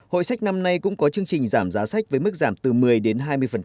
hội sách năm nay cũng có chương trình giảm giá sách với mức giảm từ một mươi đến hai mươi